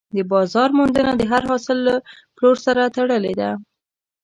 د بازار موندنه د هر حاصل له پلور سره تړلې ده.